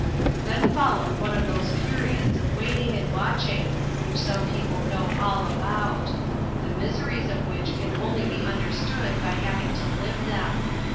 Then followed one of those periods of waiting and watching which some people know all about ; the miseries of which can only be understood by having to live them.